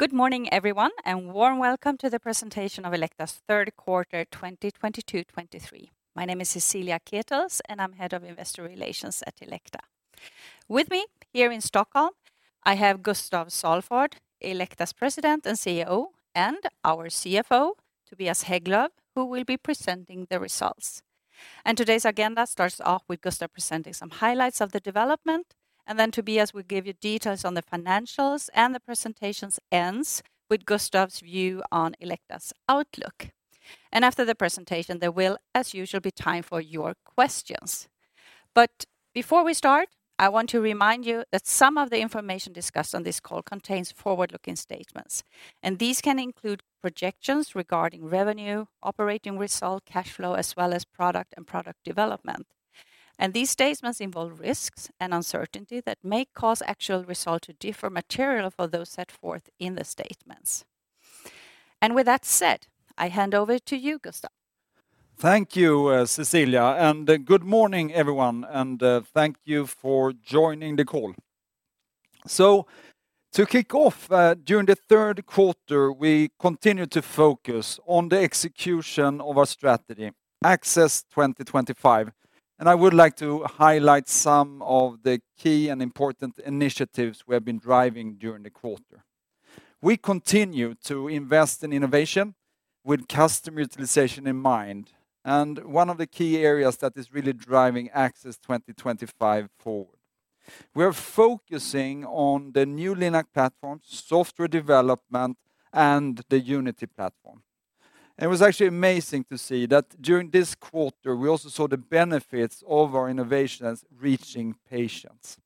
Good morning, everyone, warm welcome to the presentation of Elekta's third quarter 2022/2023. My name is Cecilia Ketels, I'm head of investor relations at Elekta. With me here in Stockholm, I have Gustaf Salford, Elekta's President and CEO, our CFO, Tobias Hägglöv, who will be presenting the results. Today's agenda starts off with Gustaf presenting some highlights of the development, then Tobias will give you details on the financials, the presentations ends with Gustaf's view on Elekta's outlook. After the presentation, there will, as usual, be time for your questions. Before we start, I want to remind you that some of the information discussed on this call contains forward-looking statements, these can include projections regarding revenue, operating result, cash flow, as well as product and product development. These statements involve risks and uncertainty that may cause actual result to differ material for those set forth in the statements. With that said, I hand over to you, Gustaf. Thank you, Cecilia, and good morning, everyone, and thank you for joining the call. To kick off, during the third quarter, we continued to focus on the execution of our strategy, ACCESS 2025, and I would like to highlight some of the key and important initiatives we have been driving during the quarter. We continue to invest in innovation with customer utilization in mind, and one of the key areas that is really driving ACCESS 2025 forward. We're focusing on the New Linac platform, software development, and the Unity platform. It was actually amazing to see that during this quarter, we also saw the benefits of our innovations reaching patients.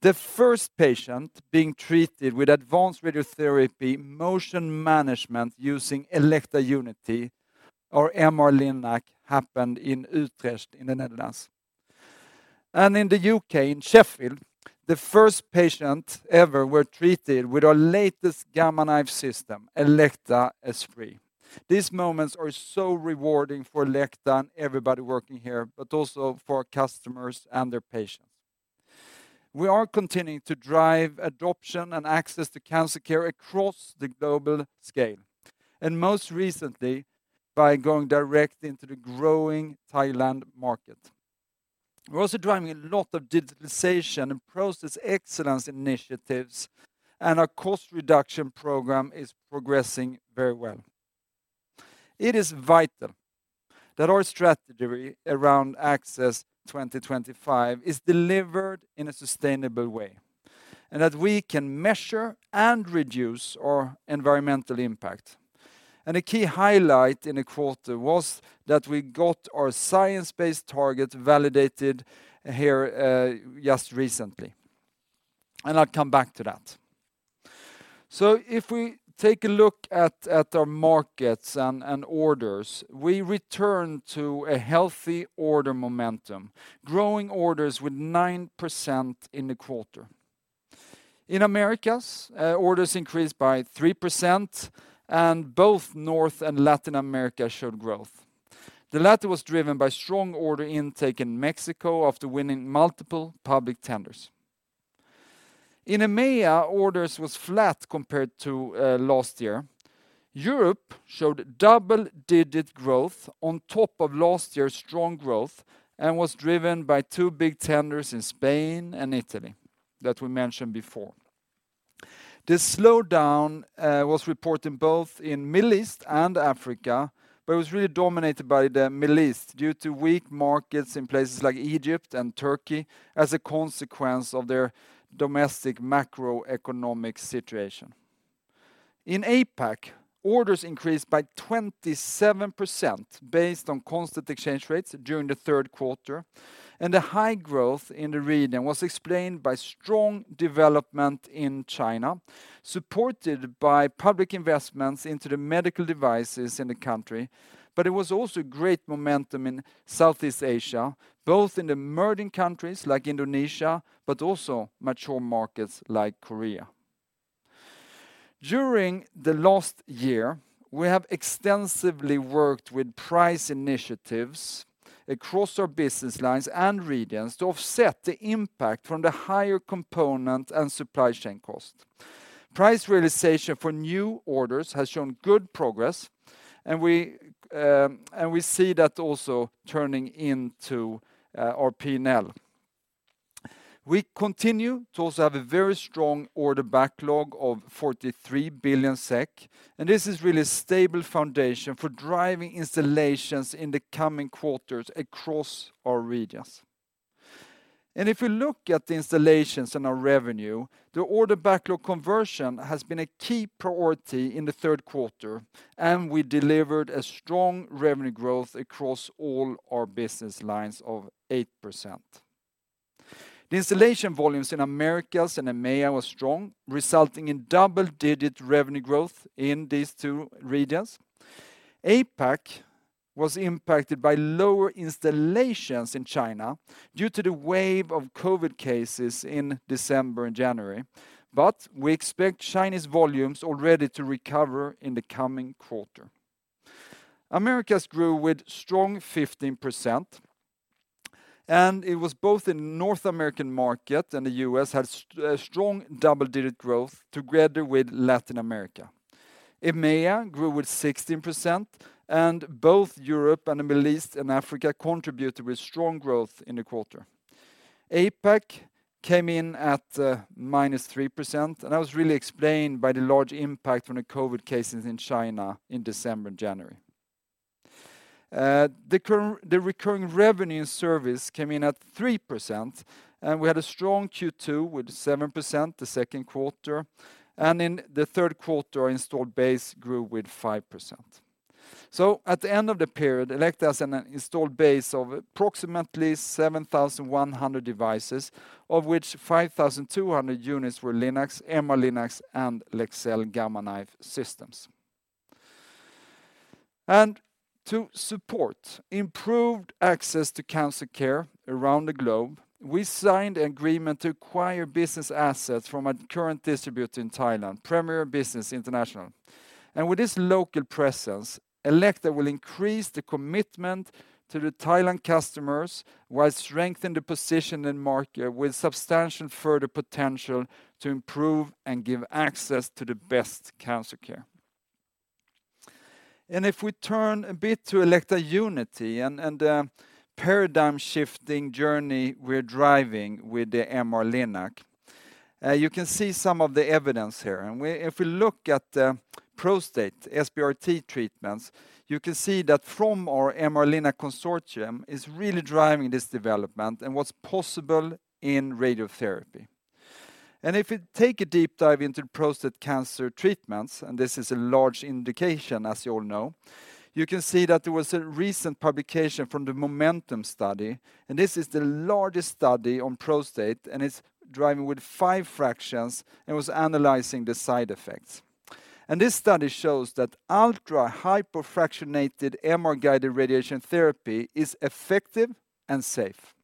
The first patient being treated with advanced radiotherapy motion management using Elekta Unity or MR-Linac happened in Utrecht in the Netherlands. In the UK, in Sheffield, the first patient ever were treated with our latest Gamma Knife system, Elekta Esprit. These moments are so rewarding for Elekta and everybody working here, but also for our customers and their patients. We are continuing to drive adoption and access to cancer care across the global scale, and most recently by going direct into the growing Thailand market. We're also driving a lot of Digitalization and Process Excellence initiatives, and our cost reduction program is progressing very well. It is vital that our strategy around ACCESS 2025 is delivered in a sustainable way, and that we can measure and reduce our environmental impact. A key highlight in the quarter was that we got our Science-Based Target validated here just recently. I'll come back to that. If we take a look at our markets and orders, we return to a healthy order momentum, growing orders with 9% in the quarter. In Americas, orders increased by 3%, and both North and Latin America showed growth. The latter was driven by strong order intake in Mexico after winning multiple public tenders. In EMEA, orders was flat compared to last year. Europe showed double-digit growth on top of last year's strong growth and was driven by two big tenders in Spain and Italy that we mentioned before. The slowdown was reported both in Middle East and Africa, but it was really dominated by the Middle East due to weak markets in places like Egypt and Turkey as a consequence of their domestic macroeconomic situation. In APAC, orders increased by 27% based on constant exchange rates during the third quarter. The high growth in the region was explained by strong development in China, supported by public investments into the medical devices in the country. There was also great momentum in Southeast Asia, both in the emerging countries like Indonesia, but also mature markets like Korea. During the last year, we have extensively worked with price initiatives across our business lines and regions to offset the impact from the higher component and supply chain cost. Price realization for new orders has shown good progress, and we see that also turning into our P&L. We continue to also have a very strong order backlog of 43 billion SEK. This is really a stable foundation for driving installations in the coming quarters across our regions. If you look at the installations and our revenue, the order backlog conversion has been a key priority in the third quarter, and we delivered a strong revenue growth across all our business lines of 8%. The installation volumes in Americas and EMEA was strong, resulting in double-digit revenue growth in these two regions. APAC was impacted by lower installations in China due to the wave of COVID cases in December and January, but we expect Chinese volumes already to recover in the coming quarter. Americas grew with strong 15%. It was both the North American market and the US had strong double-digit growth together with Latin America. EMEA grew with 16%, and both Europe and the Middle East and Africa contributed with strong growth in the quarter. APAC came in at -3%. That was really explained by the large impact from the COVID cases in China in December and January. The recurring revenue service came in at 3%. We had a strong Q2 with 7%, the second quarter, and in the third quarter, our installed base grew with 5%. At the end of the period, Elekta has an installed base of approximately 7,100 devices, of which 5,200 units were Linacs, MR-Linacs, and Leksell Gamma Knife systems. To support improved access to cancer care around the globe, we signed an agreement to acquire business assets from a current distributor in Thailand, Premier Business International. With this local presence, Elekta will increase the commitment to the Thailand customers while strengthening the position and market with substantial further potential to improve and give access to the best cancer care. If we turn a bit to Elekta Unity and paradigm-shifting journey we're driving with the MR-Linac, you can see some of the evidence here. If we look at the prostate SBRT treatments, you can see that from our MR-Linac Consortium is really driving this development and what's possible in radiotherapy. If you take a deep dive into prostate cancer treatments, and this is a large indication, as you all know, you can see that there was a recent publication from the MOMENTUM study, and this is the largest study on prostate, and it's driving with 5 fractions and was analyzing the side effects. This study shows that ultra-hypofractionated MR-guided radiation therapy is effective and safe.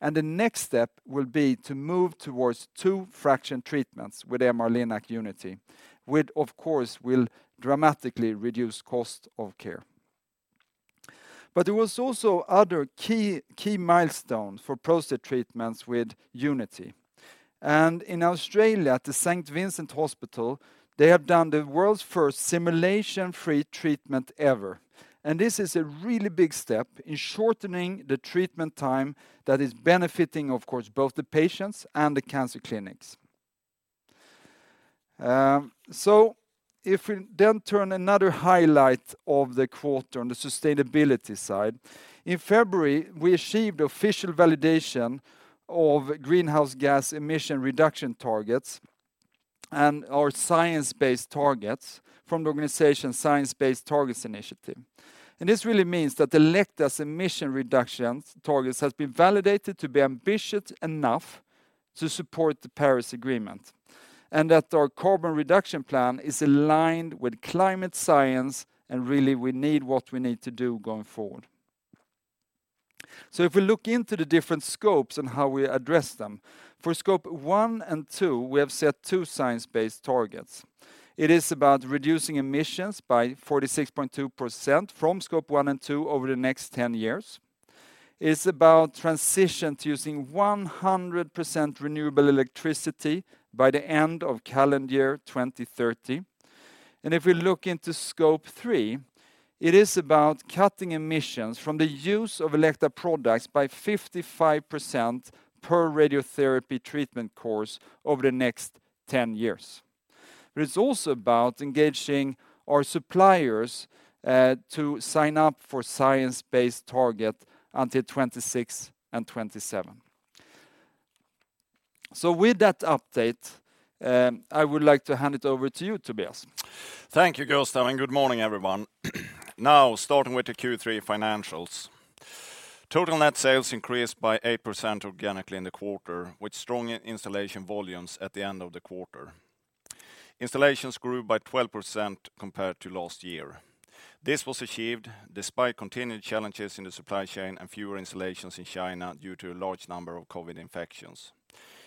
The next step will be to move towards two-fraction treatments with MR-Linac Unity, which of course will dramatically reduce cost of care. There was also other key milestones for prostate treatments with Unity. In Australia, at the St. Vincent's Hospital, they have done the world's first simulation-free treatment ever. This is a really big step in shortening the treatment time that is benefiting, of course, both the patients and the cancer clinics. If we then turn another highlight of the quarter on the sustainability side. In February, we achieved official validation of greenhouse gas emission reduction targets and our Science-based targets from the organization Science Based Targets initiative. This really means that Elekta's emission reduction targets has been validated to be ambitious enough to support the Paris Agreement, and that our carbon reduction plan is aligned with climate science and really with need what we need to do going forward. If we look into the different scopes and how we address them, for Scope one and two, we have set two Science-based targets. It is about reducing emissions by 46.2% from Scope one and two over the next 10 years. It's about transition to using 100% renewable electricity by the end of calendar year 2030. If we look into Scope three, it is about cutting emissions from the use of Elekta products by 55% per radiotherapy treatment course over the next 10 years. It's also about engaging our suppliers, to sign up for Science Based Target until 2026 and 2027. With that update, I would like to hand it over to you, Tobias. Thank you, Gustaf. Good morning, everyone. Now, starting with the Q3 financials. Total net sales increased by 8% organically in the quarter, with strong in-installation volumes at the end of the quarter. Installations grew by 12% compared to last year. This was achieved despite continued challenges in the supply chain and fewer installations in China due to a large number of COVID infections.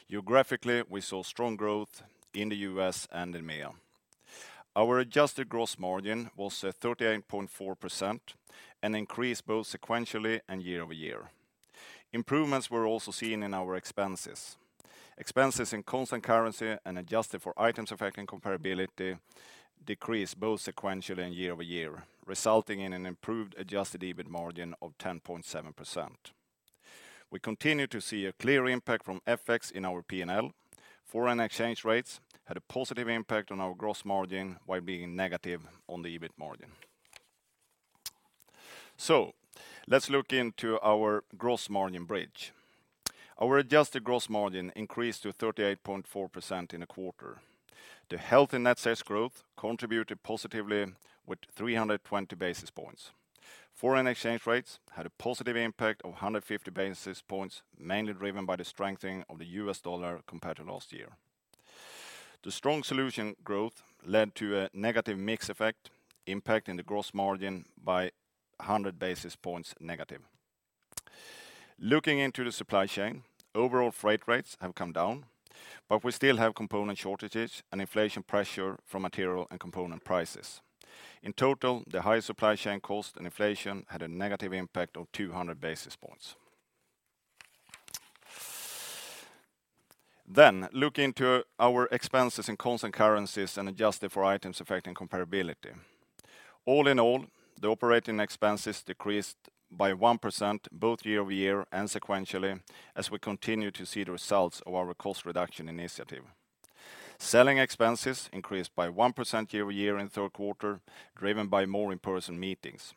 Geographically, we saw strong growth in the U.S. and EMEA. Our Adjusted gross margin was at 38.4% and increased both sequentially and year-over-year. Improvements were also seen in our expenses. Expenses in constant currency and Adjusted for items affecting comparability decreased both sequentially and year-over-year, resulting in an improved Adjusted EBIT margin of 10.7%. We continue to see a clear impact from FX in our P&L. Foreign exchange rates had a positive impact on our gross margin while being negative on the EBIT margin. Let's look into our gross margin bridge. Our Adjusted gross margin increased to 38.4% in a quarter. The health and net sales growth contributed positively with 320 basis points. Foreign exchange rates had a positive impact of 150 basis points, mainly driven by the strengthening of the U.S. dollar compared to last year. The strong solution growth led to a negative mix effect, impacting the gross margin by 100 basis points negative. Looking into the supply chain, overall freight rates have come down, but we still have component shortages and inflation pressure from material and component prices. In total, the higher supply chain cost and inflation had a negative impact of 200 basis points. Look into our expenses in constant currencies and Adjusted for items affecting comparability. All in all, the operating expenses decreased by 1% both year-over-year and sequentially as we continue to see the results of our cost reduction initiative. Selling expenses increased by 1% year-over-year in third quarter, driven by more in-person meetings.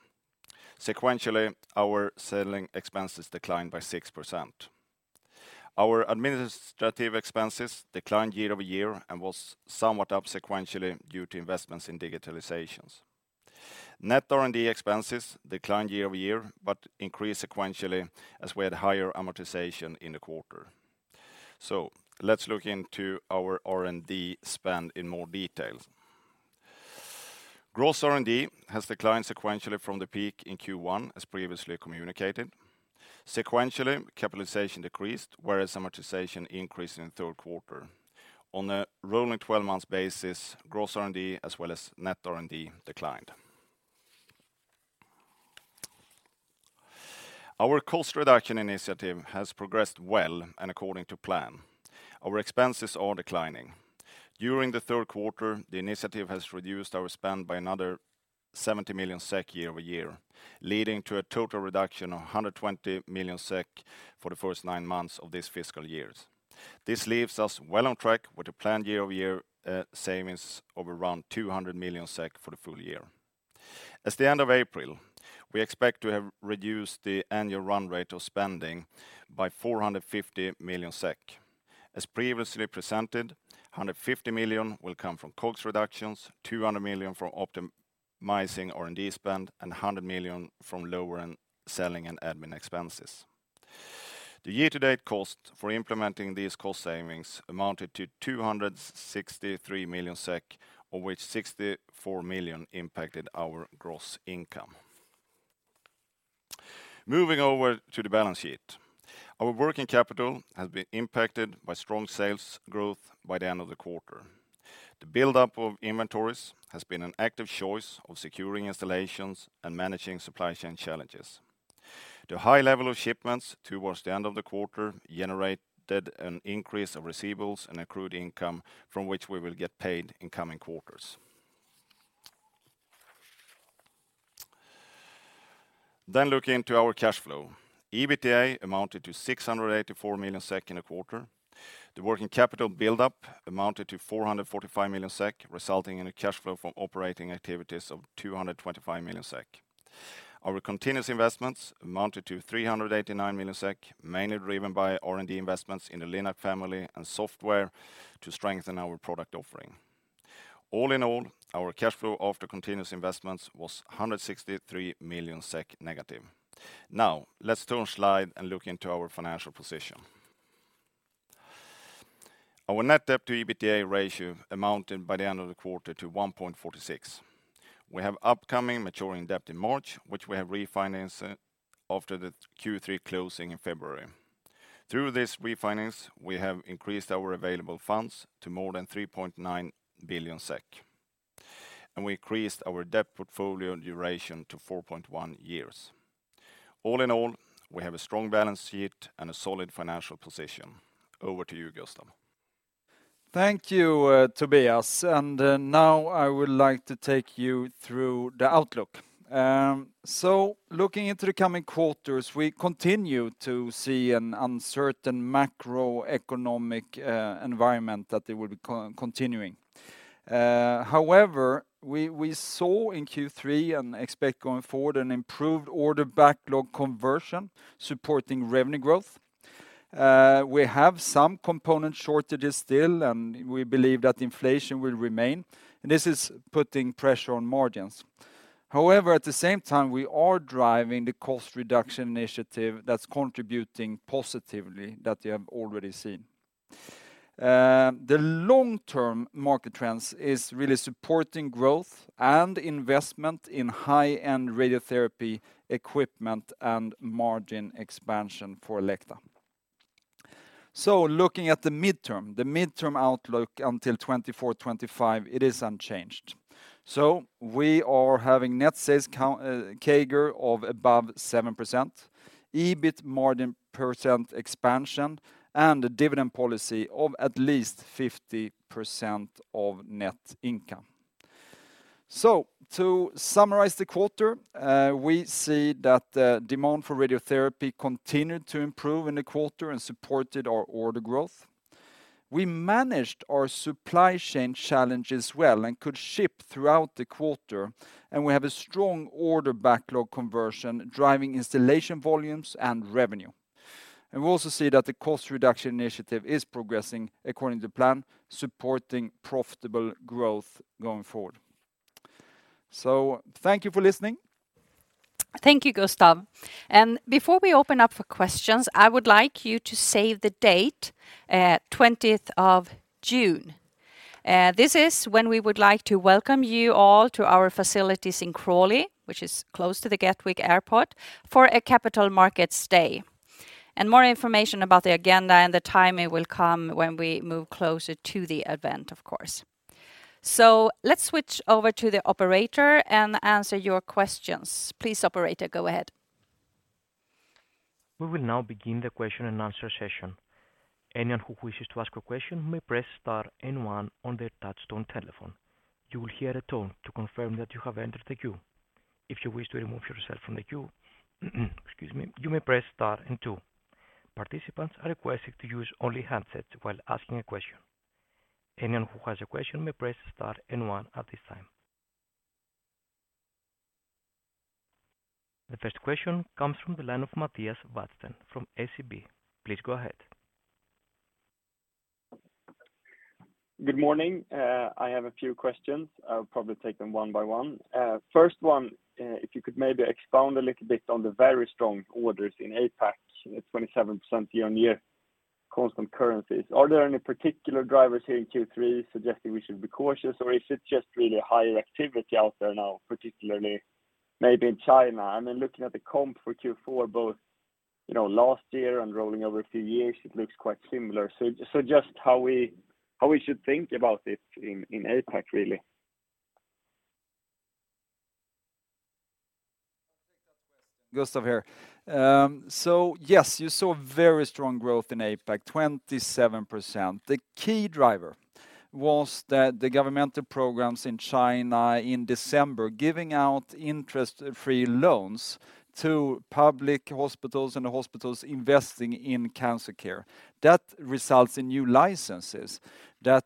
Sequentially, our selling expenses declined by 6%. Our administrative expenses declined year-over-year and was somewhat up sequentially due to investments in digitalizations. Net R&D expenses declined year-over-year, increased sequentially as we had higher amortization in the quarter. Let's look into our R&D spend in more detail. Gross R&D has declined sequentially from the peak in Q1 as previously communicated. Sequentially, capitalization decreased, whereas amortization increased in the third quarter. On a rolling 12 months basis, gross R&D as well as net R&D declined. Our cost reduction initiative has progressed well and according to plan. Our expenses are declining. During the third quarter, the initiative has reduced our spend by another 70 million SEK year-over-year, leading to a total reduction of 120 million SEK for the first nine months of this fiscal years. This leaves us well on track with the planned year-over-year savings of around 200 million SEK for the full year. As the end of April, we expect to have reduced the annual run rate of spending by 450 million SEK. As previously presented, 150 million will come from COGS reductions, 200 million from optimizing R&D spend, and 100 million from lower selling and admin expenses. The year to date cost for implementing these cost savings amounted to 263 million SEK, of which 64 million impacted our gross income. Moving over to the balance sheet. Our working capital has been impacted by strong sales growth by the end of the quarter. The buildup of inventories has been an active choice of securing installations and managing supply chain challenges. The high level of shipments towards the end of the quarter generated an increase of receivables and accrued income from which we will get paid in coming quarters. Look into our cash flow. EBITDA amounted to 684 million SEK in the quarter. The working capital buildup amounted to 445 million SEK, resulting in a cash flow from operating activities of 225 million SEK. Our continuous investments amounted to 389 million SEK, mainly driven by R&D investments in the Linac family and software to strengthen our product offering. All in all, our cash flow after continuous investments was 163 million SEK negative. Let's turn slide and look into our financial position. Our net debt to EBITDA ratio amounted by the end of the quarter to 1.46%. We have upcoming maturing debt in March, which we have refinanced after the Q3 closing in February. Through this refinance, we have increased our available funds to more than 3.9 billion SEK, and we increased our debt portfolio duration to 4.1 years. All in all, we have a strong balance sheet and a solid financial position. Over to you, Gustaf. Thank you, Tobias. Now I would like to take you through the outlook. Looking into the coming quarters, we continue to see an uncertain macroeconomic environment that it will continuing. However, we saw in Q3 and expect going forward an improved order backlog conversion supporting revenue growth. We have some component shortages still, and we believe that inflation will remain, and this is putting pressure on margins. However, at the same time, we are driving the cost reduction initiative that's contributing positively that you have already seen. The long-term market trends is really supporting growth and investment in high-end radiotherapy equipment and margin expansion for Elekta. Looking at the midterm, the midterm outlook until 2024, 2025, it is unchanged. We are having net sales count CAGR of above 7%, EBIT margin % expansion, and a dividend policy of at least 50% of net income. To summarize the quarter, we see that demand for radiotherapy continued to improve in the quarter and supported our order growth. We managed our supply chain challenges well and could ship throughout the quarter, and we have a strong order backlog conversion, driving installation volumes and revenue. We also see that the cost reduction initiative is progressing according to plan, supporting profitable growth going forward. Thank you for listening. Thank you, Gustaf. Before we open up for questions, I would like you to save the date, 20th of June. This is when we would like to welcome you all to our facilities in Crawley, which is close to the Gatwick Airport, for a capital market stay. More information about the agenda and the timing will come when we move closer to the event, of course. Let's switch over to the operator and answer your questions. Please, operator, go ahead. We will now begin the question and answer session. Anyone who wishes to ask a question may press star and one on their touchtone telephone. You will hear a tone to confirm that you have entered the queue. If you wish to remove yourself from the queue, excuse me, you may press star and two. Participants are requested to use only handsets while asking a question. Anyone who has a question may press star and one at this time. The first question comes from the line of Mattias Vadsten from SEB. Please go ahead. Good morning. I have a few questions. I'll probably take them one by one. First one, if you could maybe expound a little bit on the very strong orders in APAC, at 27% year-over-year constant currencies. Are there any particular drivers here in Q3 suggesting we should be cautious, or is it just really higher activity out there now, particularly maybe in China? Then looking at the comp for Q4, both, you know, last year and rolling over a few years, it looks quite similar. Just how we, how we should think about it in APAC, really? Gustaf here. Yes, you saw very strong growth in APAC, 27%. The key driver was that the governmental programs in China in December, giving out interest-free loans to public hospitals and hospitals investing in cancer care. That results in new licenses. That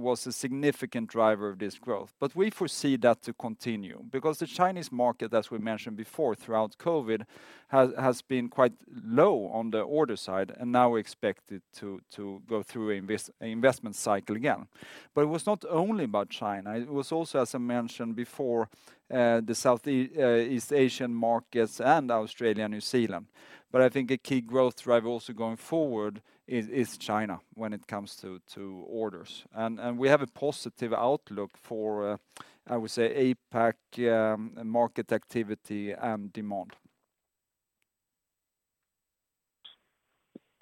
was a significant driver of this growth. We foresee that to continue because the Chinese market, as we mentioned before, throughout COVID, has been quite low on the order side, and now we expect it to go through investment cycle again. It was not only about China, it was also, as I mentioned before, the South East Asian markets and Australia, New Zealand. I think a key growth driver also going forward is China when it comes to orders. We have a positive outlook for, I would say, APAC, market activity and demand.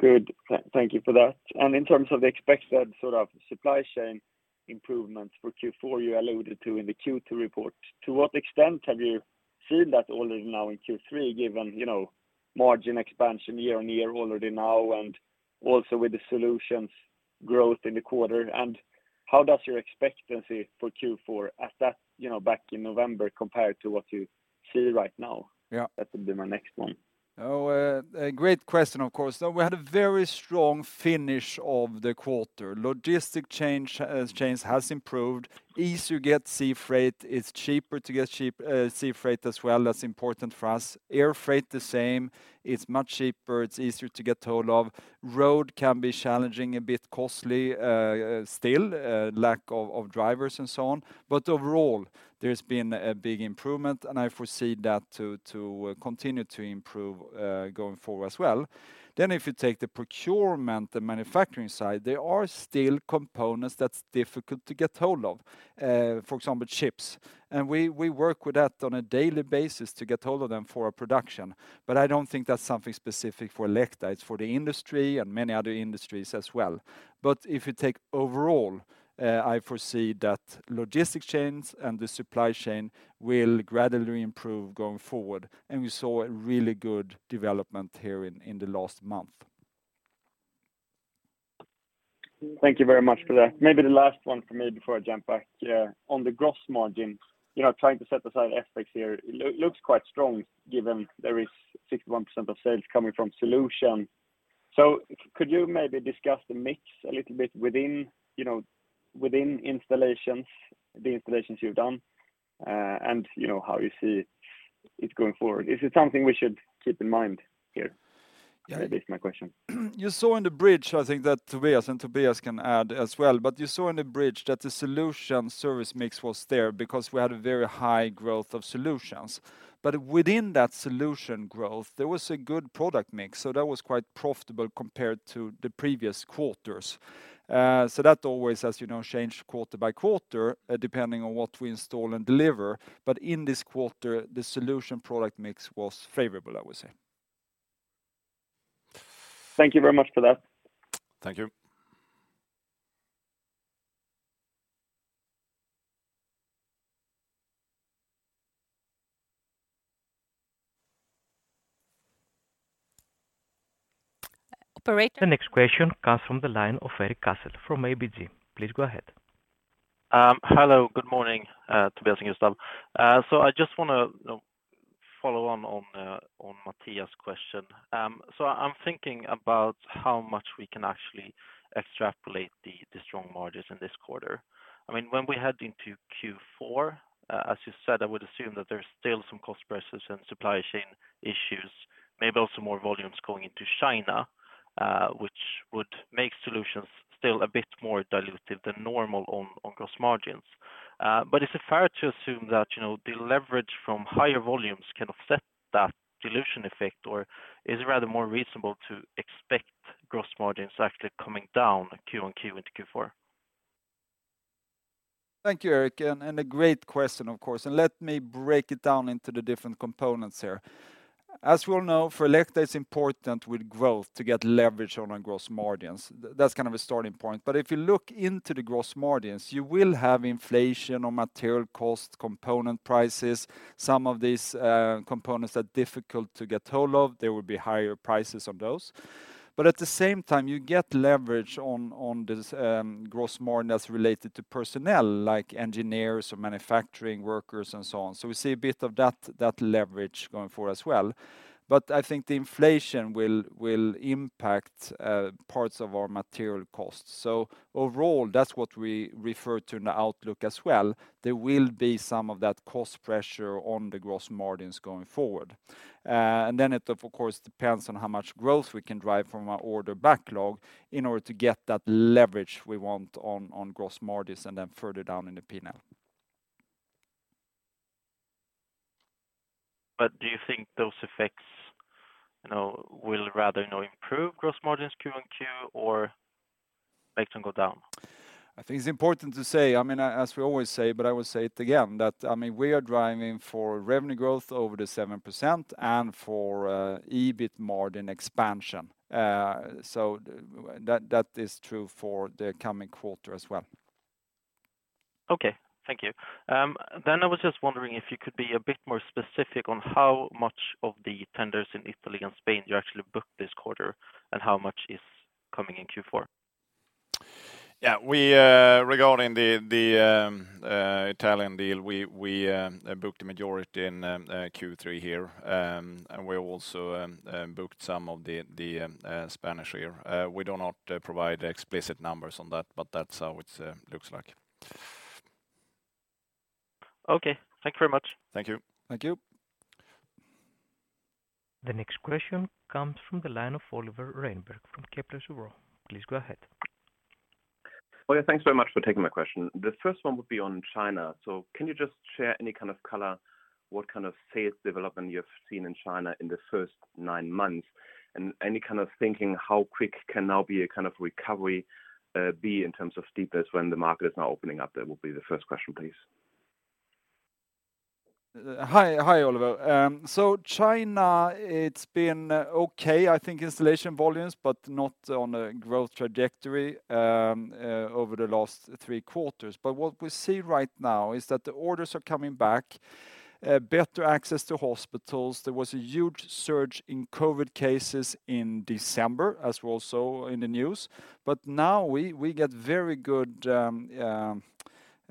Good. Thank you for that. In terms of the expected sort of supply chain improvements for Q4 you alluded to in the Q2 report, to what extent have you seen that order now in Q3, given, you know, margin expansion year-on-year already now and also with the solutions growth in the quarter? How does your expectancy for Q4 as that, you know, back in November compared to what you see right now? Yeah. That would be my next one. A great question, of course. We had a very strong finish of the quarter. Logistic chains has improved. Easy to get sea freight. It's cheaper to get cheap sea freight as well. That's important for us. Air freight, the same. It's much cheaper. It's easier to get hold of. Road can be challenging, a bit costly, still lack of drivers and so on. Overall, there's been a big improvement, and I foresee that to continue to improve going forward as well. If you take the procurement and manufacturing side, there are still components that's difficult to get hold of, for example, chips. We work with that on a daily basis to get hold of them for our production. I don't think that's something specific for Elekta. It's for the industry and many other industries as well. If you take overall, I foresee that logistic chains and the supply chain will gradually improve going forward. We saw a really good development here in the last month. Thank you very much for that. Maybe the last one for me before I jump back. Yeah. On the gross margin, you know, trying to set aside aspects here, it looks quite strong given there is 61% of sales coming from solution. Could you maybe discuss the mix a little bit within, you know, within installations, the installations you've done, and, you know, how you see it going forward? Is it something we should keep in mind here? Maybe is my question. You saw in the bridge, I think that Tobias and Tobias can add as well, but you saw in the bridge that the solution service mix was there because we had a very high growth of solutions. Within that solution growth, there was a good product mix, so that was quite profitable compared to the previous quarters. That always, as you know, change quarter by quarter, depending on what we install and deliver. In this quarter, the solution product mix was favorable, I would say. Thank you very much for that. Thank you. Operator? The next question comes from the line of Erik Cassel from ABG. Please go ahead. Hello. Good morning, Tobias and Gustaf. I just wanna, you know, follow on on Mattias' question. I'm thinking about how much we can actually extrapolate the strong margins in this quarter. I mean, when we head into Q4, as you said, I would assume that there's still some cost pressures and supply chain issues, maybe also more volumes going into China, which would make solutions still a bit more dilutive than normal on gross margins. Is it fair to assume that, you know, the leverage from higher volumes can offset that dilution effect, or is it rather more reasonable to expect gross margins actually coming down Q on Q into Q4? Thank you, Erik, a great question, of course, let me break it down into the different components here. As we all know, for Elekta it's important with growth to get leverage on our gross margins. That's kind of a starting point. If you look into the gross margins, you will have inflation on material costs, component prices. Some of these components are difficult to get hold of. There will be higher prices on those. At the same time, you get leverage on this gross margin that's related to personnel, like engineers or manufacturing workers and so on. We see a bit of that leverage going forward as well. I think the inflation will impact parts of our material costs. Overall, that's what we refer to in the outlook as well. There will be some of that cost pressure on the gross margins going forward. Then it of course depends on how much growth we can drive from our order backlog in order to get that leverage we want on gross margins and then further down in the P&L. Do you think those effects, you know, will rather, you know, improve gross margins QoQ or make them go down? I think it's important to say, I mean, as we always say, but I will say it again, that, I mean, we are driving for revenue growth over the 7% and for EBIT margin expansion. That, that is true for the coming quarter as well. Okay. Thank you. I was just wondering if you could be a bit more specific on how much of the tenders in Italy and Spain you actually booked this quarter, and how much is coming in Q4? Yeah. We regarding the Italian deal, we booked the majority in Q3 here. We also booked some of the Spanish here. We do not provide explicit numbers on that, but that's how it looks like. Okay. Thank you very much. Thank you. Thank you. The next question comes from the line of Oliver Reinberg from Kepler Cheuvreux. Please go ahead. Oliver, thanks very much for taking my question. The first one would be on China. Can you just share any kind of color, what kind of sales development you have seen in China in the first 9 months? Any kind of thinking how quick can now be a kind of recovery, be in terms of deferrals when the market is now opening up? That will be the first question, please. Hi, Oliver. China, it's been okay, I think, installation volumes, not on a growth trajectory over the last three quarters. What we see right now is that the orders are coming back, better access to hospitals. There was a huge surge in COVID cases in December, as we all saw in the news. Now we get very good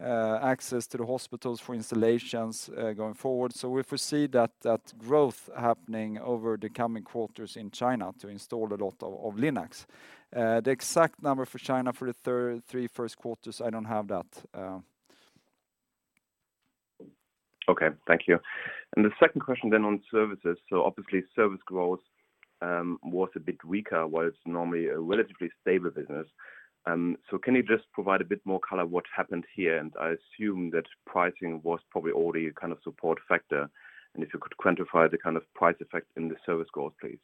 access to the hospitals for installations going forward. If we see that growth happening over the coming quarters in China to install a lot of Linacs. The exact number for China for the third, three first quarters, I don't have that. Okay. Thank you. The second question then on services. Obviously, service growth was a bit weaker, while it's normally a relatively stable business. Can you just provide a bit more color what happened here? I assume that pricing was probably already a kind of support factor. If you could quantify the kind of price effect in the service growth, please.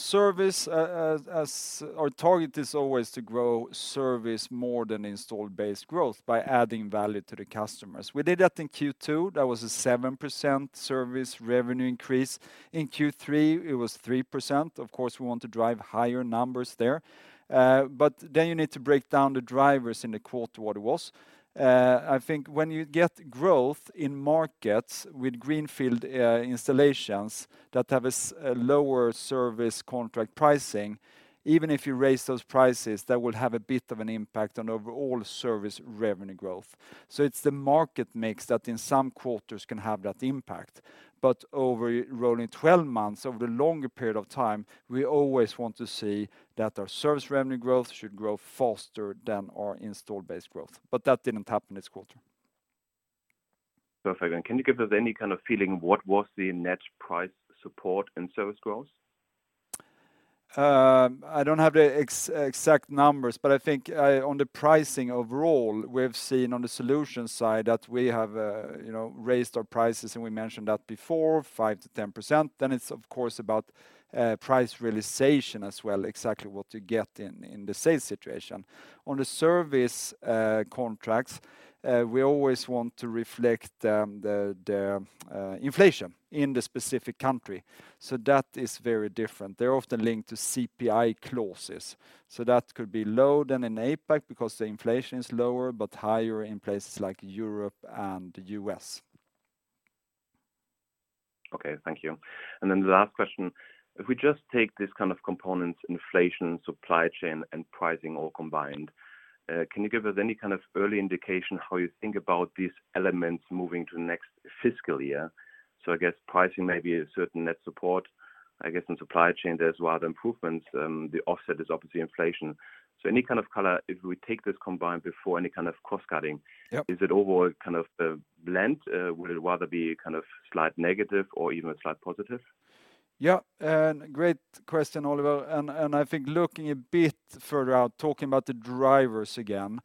Service, as our target is always to grow service more than installed base growth by adding value to the customers. We did that in Q2. That was a 7% service revenue increase. In Q3, it was 3%. Of course, we want to drive higher numbers there. Then you need to break down the drivers in the quarter, what it was. I think when you get growth in markets with greenfield installations that have a lower service contract pricing, even if you raise those prices, that will have a bit of an impact on overall service revenue growth. It's the market mix that in some quarters can have that impact. Over rolling 12 months, over a longer period of time, we always want to see that our service revenue growth should grow faster than our installed base growth. That didn't happen this quarter. Perfect. Can you give us any kind of feeling what was the net price support in service growth? I don't have the exact numbers, but I think, on the pricing overall, we've seen on the solution side that we have, you know, raised our prices, and we mentioned that before, 5%-10%. It's of course about price realization as well, exactly what you get in the sales situation. On the service contracts, we always want to reflect the inflation in the specific country. That is very different. They're often linked to CPI clauses. That could be lower than in APAC because the inflation is lower, but higher in places like Europe and the U.S. Okay. Thank you. The last question. If we just take this kind of components, inflation, supply chain, and pricing all combined, can you give us any kind of early indication how you think about these elements moving to next fiscal year? I guess pricing may be a certain net support, I guess, in supply chain as well, the improvements, the offset is obviously inflation. Any kind of color, if we take this combined before any kind of cost cutting. Yep Is it overall kind of, blend? Will it rather be kind of slight negative or even a slight positive? Yeah, great question, Oliver. I think looking a bit further out, talking about the drivers again,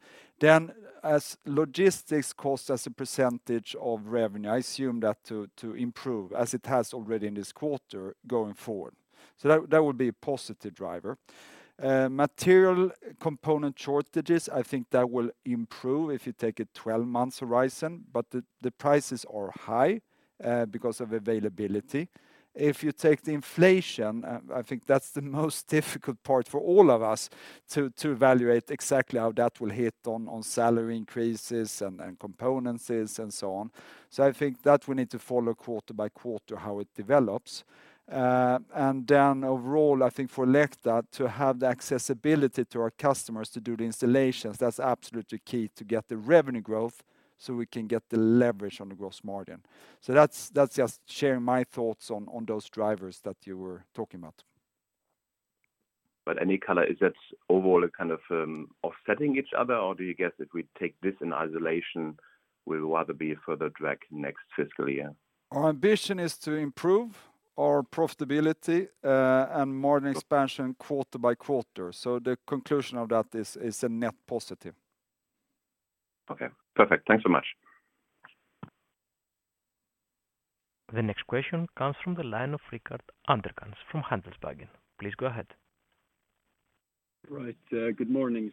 as logistics costs as a % of revenue, I assume that to improve as it has already in this quarter going forward. That would be a positive driver. Material component shortages, I think that will improve if you take a 12 months horizon, but the prices are high, because of availability. If you take the inflation, I think that's the most difficult part for all of us to evaluate exactly how that will hit on salary increases and component sales and so on. I think that we need to follow quarter by quarter how it develops. Overall, I think for Elekta to have the accessibility to our customers to do the installations, that's absolutely key to get the revenue growth so we can get the leverage on the gross margin. That's just sharing my thoughts on those drivers that you were talking about. Any color, is that overall a kind of, offsetting each other? Or do you guess if we take this in isolation, will rather be a further drag next fiscal year? Our ambition is to improve our profitability, and margin expansion quarter by quarter. The conclusion of that is a net positive. Okay, perfect. Thanks so much. The next question comes from the line of Rickard Anderkrans from Handelsbanken. Please go ahead. Right. Good morning.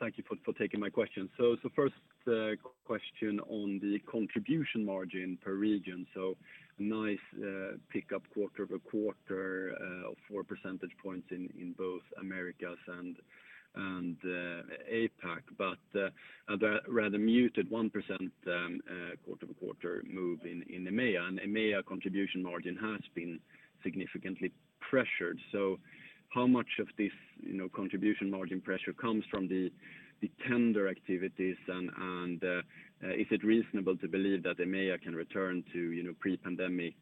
Thank you for taking my question. First question on the contribution margin per region. Nice pick up quarter-over-quarter of 4 percentage points in both Americas and APAC. The rather muted 1% quarter-over-quarter move in EMEA. EMEA contribution margin has been significantly pressured. How much of this, you know, contribution margin pressure comes from the tender activities? Is it reasonable to believe that EMEA can return to, you know, pre-pandemic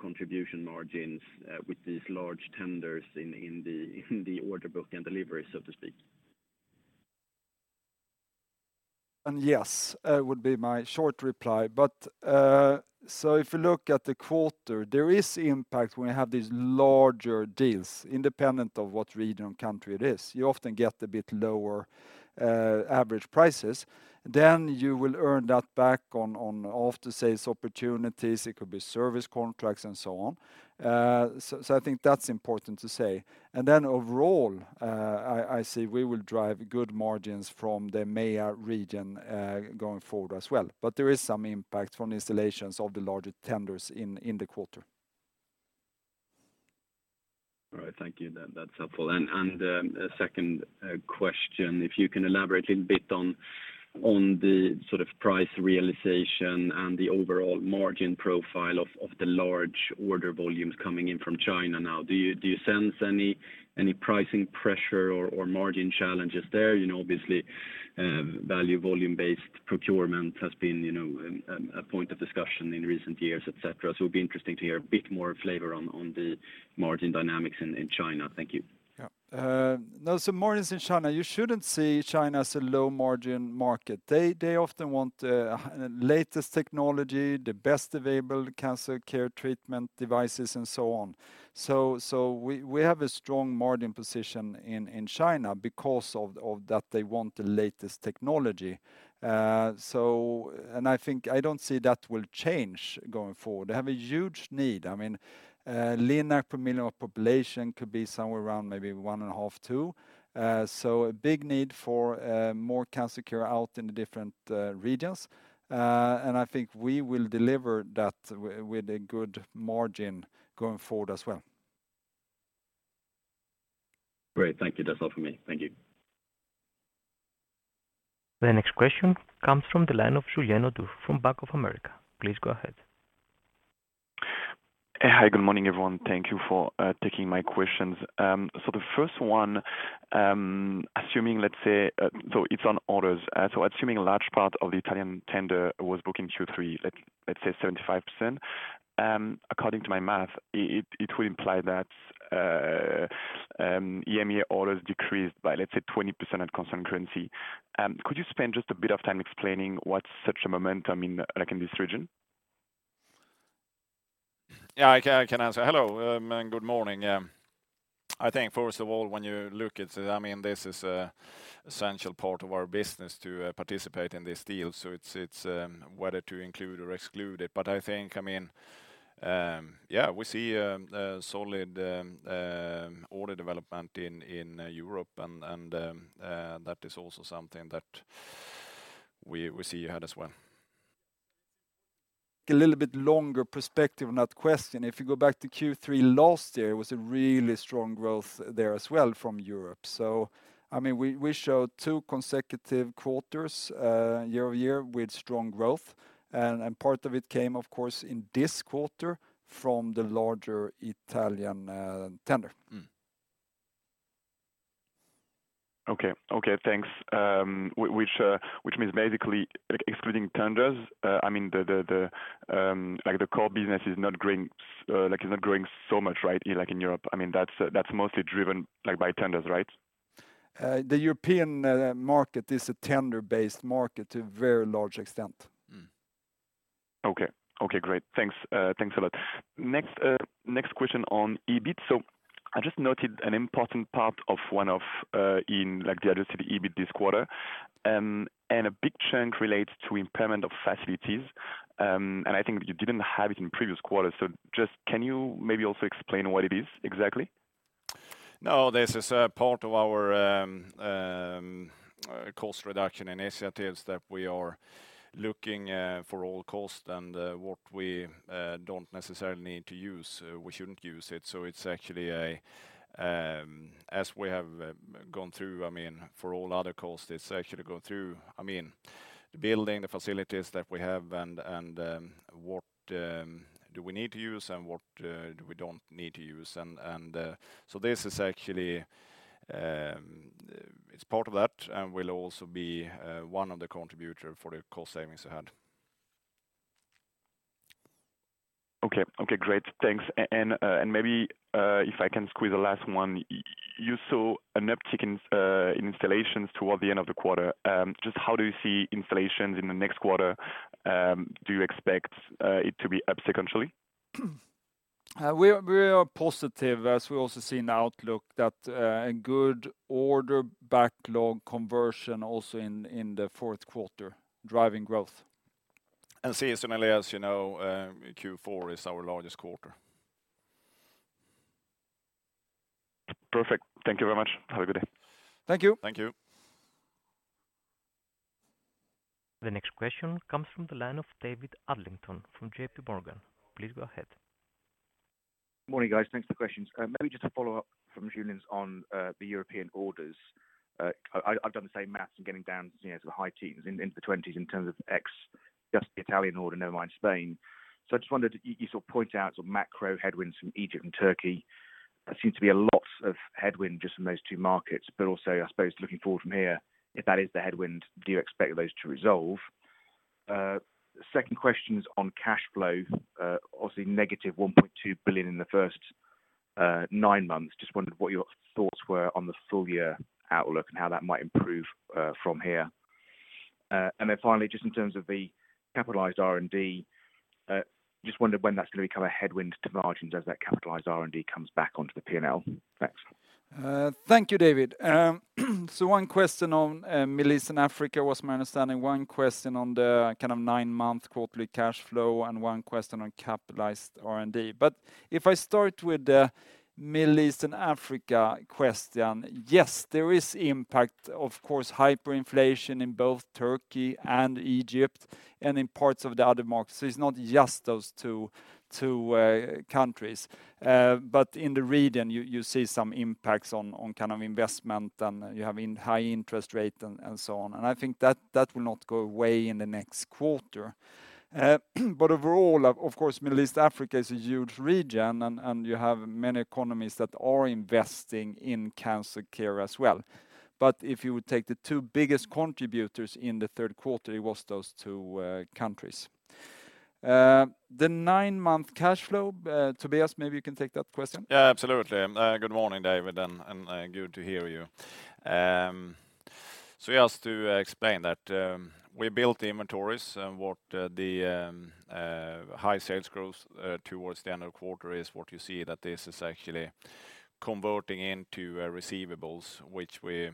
contribution margins with these large tenders in the order book and delivery, so to speak? Yes, would be my short reply. So if you look at the quarter, there is impact when you have these larger deals, independent of what region or country it is. You often get a bit lower, average prices. Then you will earn that back on after-sales opportunities, it could be service contracts, and so on. So I think that's important to say. Then overall, I see we will drive good margins from the EMEA region, going forward as well. There is some impact from installations of the larger tenders in the quarter. All right. Thank you. That's helpful. A second question, if you can elaborate a little bit on the sort of price realization and the overall margin profile of the large order volumes coming in from China now. Do you sense any pricing pressure or margin challenges there? You know, obviously, value volume-based procurement has been, you know, a point of discussion in recent years, et cetera. It'll be interesting to hear a bit more flavor on the margin dynamics in China. Thank you. No, margins in China, you shouldn't see China as a low-margin market. They often want latest technology, the best available cancer care treatment devices, and so on. We have a strong margin position in China because of that they want the latest technology. And I think I don't see that will change going forward. They have a huge need. I mean, Linac per million of population could be somewhere around maybe 1.5 or 2. A big need for more cancer care out in the different regions. And I think we will deliver that with a good margin going forward as well. Great. Thank you. That's all for me. Thank you. The next question comes from the line of Julien Ouaddour from Bank of America. Please go ahead. Hi, good morning, everyone. Thank you for taking my questions. The first one, assuming, let's say, so it's on orders. Assuming a large part of the Italian tender was booked in Q3, let's say 75%, according to my math, it would imply that EMEA orders decreased by, let's say, 20% at constant currency. Could you spend just a bit of time explaining what's such a momentum in, like, in this region? I can answer. Hello, good morning. I think first of all, when you look at, I mean, this is an essential part of our business to participate in this deal. It's whether to include or exclude it. I think, I mean, yeah, we see a solid order development in Europe, and that is also something that we see ahead as well. A little bit longer perspective on that question. If you go back to Q3 last year, it was a really strong growth there as well from Europe. I mean, we showed two consecutive quarters year-over-year with strong growth. Part of it came, of course, in this quarter from the larger Italian tender. Okay, thanks. Which means basically excluding tenders, I mean, like, the core business is not growing, like is not growing so much, right? Like in Europe. I mean, that's mostly driven, like, by tenders, right? The European market is a tender-based market to a very large extent. Okay. Okay, great. Thanks. Thanks a lot. Next, next question on EBIT. I just noted an important part of one of, in, like, the Adjusted EBIT this quarter. A big chunk relates to impairment of facilities. I think you didn't have it in previous quarters. Just can you maybe also explain what it is exactly? This is a part of our cost reduction initiatives that we are looking for all cost and what we don't necessarily need to use, we shouldn't use it. It's actually a, as we have gone through, I mean, for all other costs, it's actually gone through, I mean, the building, the facilities that we have and what do we need to use and what do we don't need to use. This is actually, it's part of that and will also be one of the contributor for the cost savings ahead. Okay. Okay, great. Thanks. Maybe, if I can squeeze a last one. You saw an uptick in installations toward the end of the quarter. Just how do you see installations in the next quarter? Do you expect it to be up sequentially? We are positive, as we also see in the outlook, that a good order backlog conversion also in the fourth quarter driving growth. Seasonally, as you know, Q4 is our largest quarter. Perfect. Thank you very much. Have a good day. Thank you. Thank you. The next question comes from the line of David Adlington from JPMorgan. Please go ahead. Morning, guys. Thanks for the questions. Maybe just a follow-up from Julien on the European orders. I've done the same math and getting down, you know, to the high teens into the 20s in terms of ex just the Italian order, never mind Spain. I just wondered, you sort of point out sort of macro headwinds from Egypt and Turkey. There seems to be a lot of headwind just from those two markets, also, I suppose, looking forward from here, if that is the headwind, do you expect those to resolve? Second question is on cash flow. Obviously negative 1.2 billion in the first nine months. Just wondered what your thoughts were on the full year outlook and how that might improve from here. Then finally, just in terms of the capitalized R&D, just wondered when that's going to become a headwind to margins as that capitalized R&D comes back onto the P&L. Thanks. Thank you, David. One question on Middle East and Africa was my understanding. One question on the kind of nine-month quarterly cash flow, and one question on capitalized R&D. If I start with the Middle East and Africa question, yes, there is impact. Of course, hyperinflation in both Turkey and Egypt and in parts of the other markets. It's not just those two countries. In the region, you see some impacts on kind of investment, and you have high interest rate and so on. I think that will not go away in the next quarter. Overall, of course, Middle East/Africa is a huge region and you have many economies that are investing in cancer care as well. If you would take the two biggest contributors in the third quarter, it was those two countries. The nine-month cash flow, Tobias, maybe you can take that question. Absolutely. Good morning, David, and good to hear you. Just to explain that, we built the inventories and what the high sales growth towards the end of the quarter is what you see that this is actually converting into receivables, which we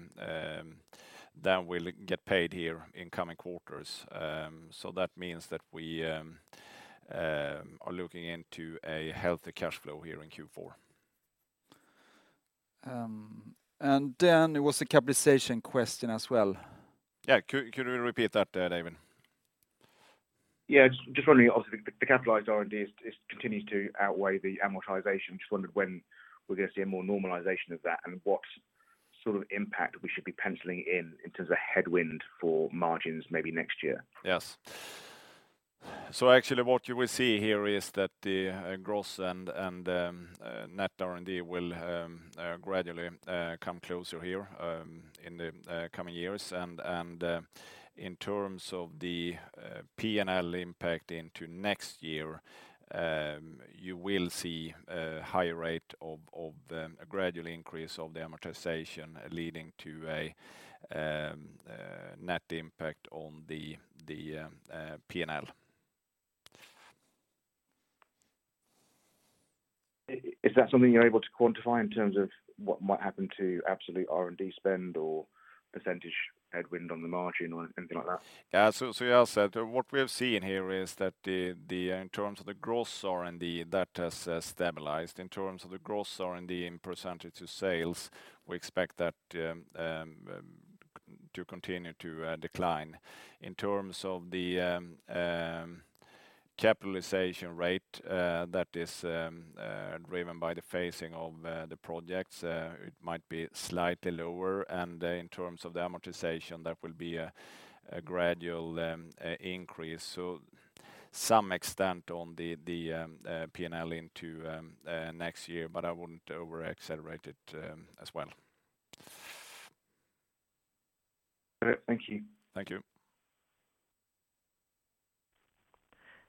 then will get paid here in coming quarters. That means that we are looking into a healthy cash flow here in Q4. There was a capitalization question as well. Yeah. Could you repeat that there, David? Yeah. Just wondering, obviously, the capitalized R&D is continuing to outweigh the amortization. Just wondered when we're going to see a more normalization of that and what sort of impact we should be penciling in in terms of headwind for margins maybe next year? Actually what you will see here is that the gross and net R&D will gradually come closer here in the coming years. In terms of the P&L impact into next year, you will see a higher rate of a gradual increase of the amortization leading to a net impact on the P&L. Is that something you're able to quantify in terms of what might happen to absolute R&D spend or percentage headwind on the margin or anything like that? As I said, what we have seen here is that the in terms of the gross R&D, that has stabilized. In terms of the gross R&D in percentage of sales, we expect that to continue to decline. In terms of the capitalization rate, that is driven by the phasing of the projects, it might be slightly lower. In terms of the amortization, that will be a gradual increase. Some extent on the P&L into next year, but I wouldn't over accelerate it as well. Great. Thank you. Thank you.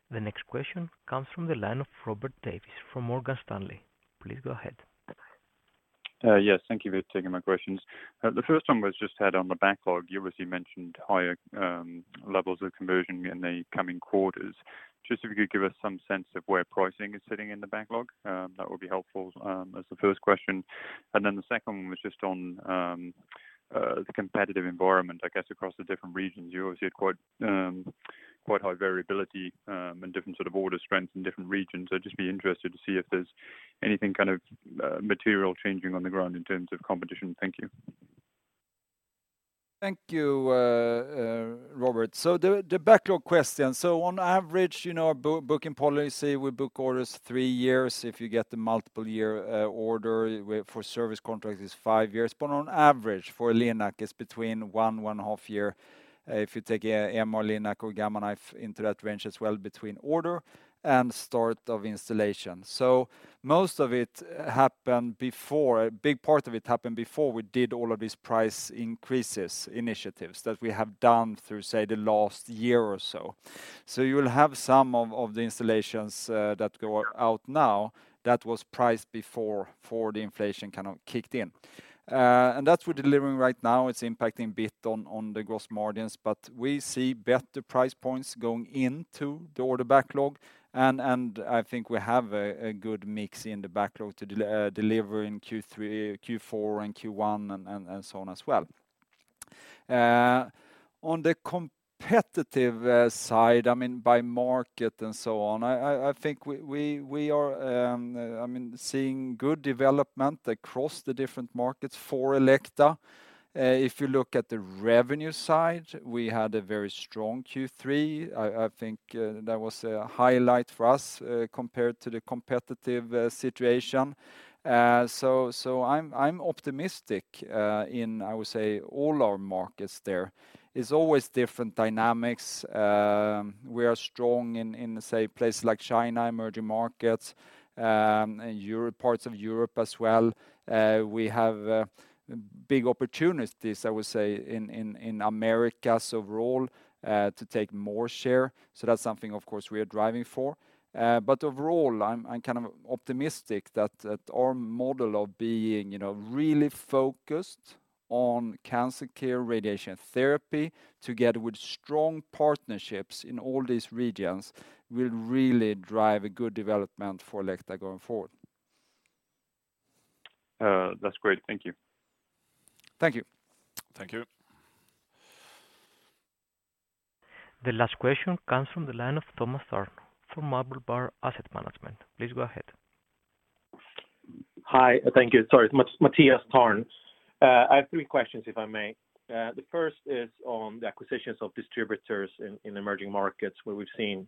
The next question comes from the line of Robert Davies from Morgan Stanley. Please go ahead. Yes, thank you for taking my questions. The first one was just had on the backlog. You obviously mentioned higher levels of conversion in the coming quarters. Just if you could give us some sense of where pricing is sitting in the backlog, that would be helpful as the first question. The second one was just on the competitive environment, I guess, across the different regions. You obviously had quite high variability and different sort of order strengths in different regions. I'd just be interested to see if there's anything kind of material changing on the ground in terms of competition. Thank you. Thank you, Robert. The backlog question. On average, you know, booking policy, we book orders three years. If you get the multiple year order for service contract is five years. On average, for a Linac it's between 1.5 year, if you take a MR-Linac or Gamma Knife into that range as well between order and start of installation. Most of it happened before a big part of it happened before we did all of these price increases initiatives that we have done through, say, the last year or so. You will have some of the installations that go out now that was priced before the inflation kind of kicked in. That's what we're delivering right now. It's impacting a bit on the gross margins. We see better price points going into the order backlog. I think we have a good mix in the backlog to deliver in Q3, Q4, and Q1, and so on as well. On the competitive side, I mean by market and so on, I think we are, I mean, seeing good development across the different markets for Elekta. If you look at the revenue side, we had a very strong Q3. I think that was a highlight for us compared to the competitive situation. I'm optimistic in, I would say, all our markets there. It's always different dynamics. We are strong in say places like China, Emerging Markets, and Europe, parts of Europe as well. We have big opportunities, I would say, in Americas overall, to take more share. That's something of course we are driving for. Overall I'm kind of optimistic that our model of being, you know, really focused on cancer care, radiation therapy, together with strong partnerships in all these regions will really drive a good development for Elekta going forward. That's great. Thank you. Thank you. Thank you. The last question comes from the line of Matthias Thorns from Marble Bar Asset Management. Please go ahead. Hi. Thank you. Sorry, it's Matthias Thorns. I have three questions if I may. The first is on the acquisitions of distributors in emerging markets where we've seen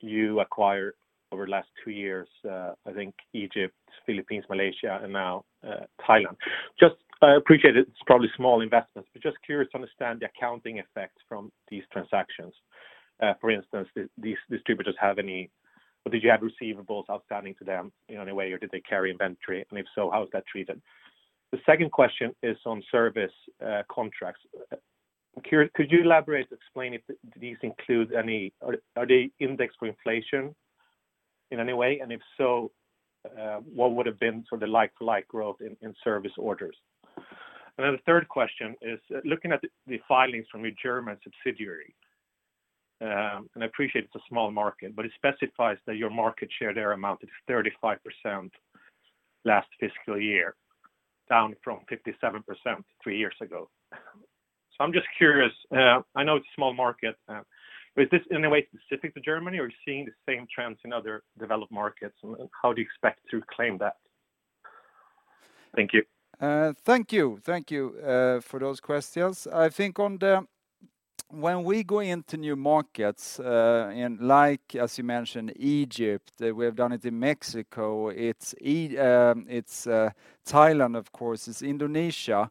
you acquire over the last two years, I think Egypt, Philippines, Malaysia, and now, Thailand. Just, appreciate it's probably small investments, but just curious to understand the accounting effects from these transactions. For instance, did these distributors have any, or did you have receivables outstanding to them in any way, or did they carry inventory? If so, how is that treated? The second question is on service contracts. Curious, could you elaborate, explain if these include any, are they indexed for inflation in any way? If so, what would have been sort of the like-to-like growth in service orders? The third question is looking at the filings from your German subsidiary, I appreciate it's a small market, it specifies that your market share there amounted to 35% last fiscal year, down from 57% three years ago. I'm just curious, I know it's a small market. Is this in any way specific to Germany, or are you seeing the same trends in other developed markets, and how do you expect to claim that? Thank you. Thank you. Thank you for those questions. I think when we go into new markets, like, as you mentioned, Egypt, we have done it in Mexico, it's Thailand of course, it's Indonesia.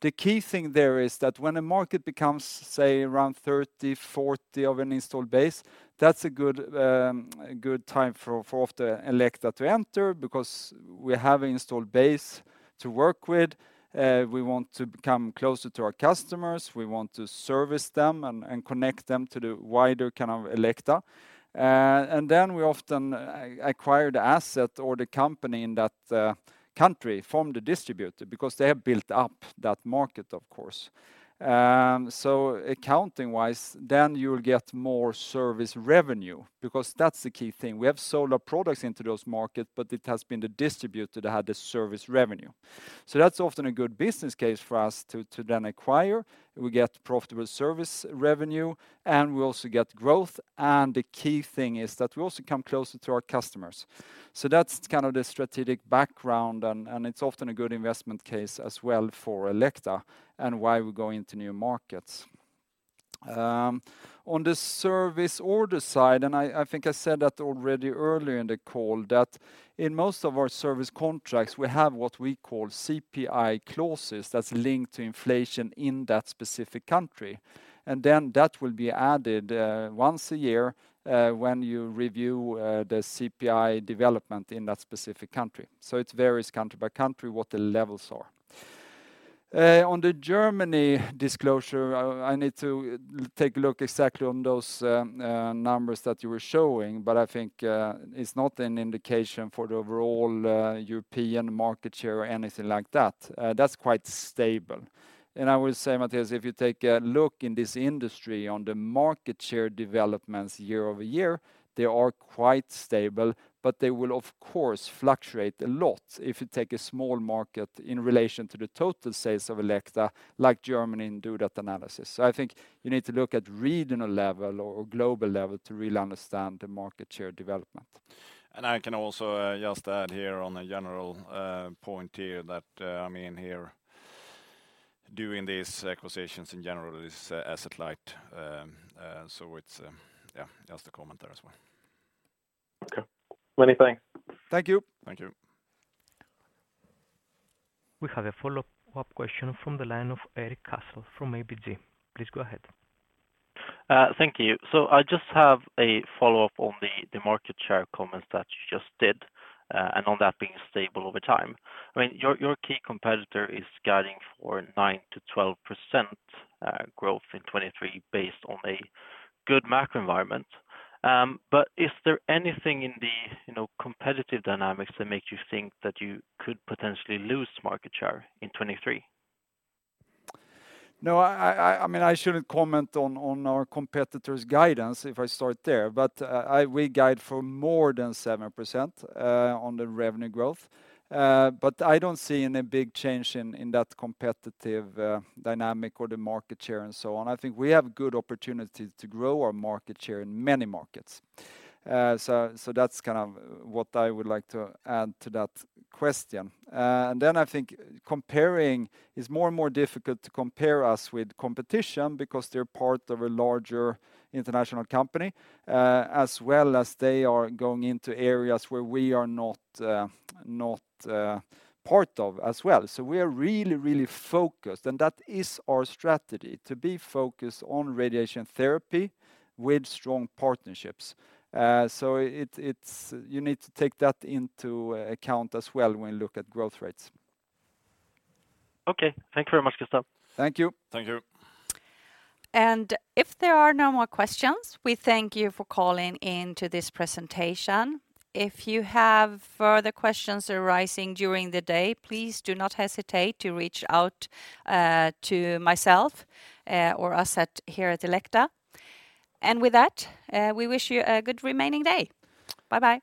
The key thing there is that when a market becomes, say, around 30, 40 of an installed base, that's a good time for often Elekta to enter because we have an installed base to work with. We want to become closer to our customers. We want to service them and connect them to the wider kind of Elekta. Then we often acquire the asset or the company in that country from the distributor because they have built up that market of course. Accounting-wise, then you'll get more service revenue because that's the key thing. We have sold our products into those markets, but it has been the distributor that had the service revenue. That's often a good business case for us to then acquire. We get profitable service revenue, and we also get growth, and the key thing is that we also come closer to our customers. That's kind of the strategic background and it's often a good investment case as well for Elekta and why we go into new markets. On the service order side, and I think I said that already earlier in the call, that in most of our service contracts, we have what we call CPI clauses that's linked to inflation in that specific country. Then that will be added once a year when you review the CPI development in that specific country. It varies country by country what the levels are. On the Germany disclosure, I need to take a look exactly on those numbers that you were showing, but I think it's not an indication for the overall European market share or anything like that. That's quite stable. I will say, Mattias, if you take a look in this industry on the market share developments year-over-year, they are quite stable, but they will, of course, fluctuate a lot if you take a small market in relation to the total sales of Elekta like Germany and do that analysis. I think you need to look at regional level or global level to really understand the market share development. I can also, just add here on a general point here that, I mean, here doing these acquisitions in general is asset light. It's, yeah, just a comment there as well. Okay. Many thanks. Thank you. Thank you. We have a follow-up question from the line of Erik Cassel from ABG. Please go ahead. Thank you. I just have a follow-up on the market share comments that you just did, and on that being stable over time. I mean, your key competitor is guiding for 9%-12% growth in 2023 based on a good macro environment. Is there anything in the, you know, competitive dynamics that makes you think that you could potentially lose market share in 2023? I mean, I shouldn't comment on our competitor's guidance if I start there, but we guide for more than 7% on the revenue growth. I don't see any big change in that competitive dynamic or the market share and so on. I think we have good opportunities to grow our market share in many markets. That's kind of what I would like to add to that question. Then I think comparing is more and more difficult to compare us with competition because they're part of a larger international company, as well as they are going into areas where we are not part of as well. We are really focused, and that is our strategy, to be focused on radiation therapy with strong partnerships. You need to take that into account as well when you look at growth rates. Okay. Thank you very much, Gustaf. Thank you. Thank you. If there are no more questions, we thank you for calling in to this presentation. If you have further questions arising during the day, please do not hesitate to reach out to myself or us here at Elekta. With that, we wish you a good remaining day. Bye-bye.